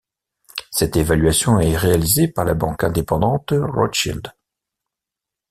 Cette évaluation est réalisée par la banque indépendante Rothschild.